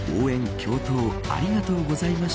感動ありがとうございます。